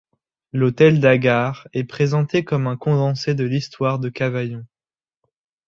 L’Hôtel d’Agar est présenté comme un condensé de l’histoire de Cavaillon.